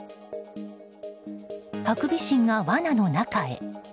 ハクビシンがわなの中へ。